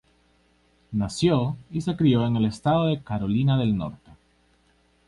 Nació y se crio en el estado de Carolina del Norte.